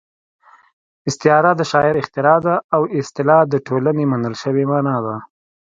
استعاره د شاعر اختراع ده او اصطلاح د ټولنې منل شوې مانا ده